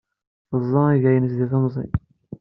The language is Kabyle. Tezreɛ iger-nnes d timẓin.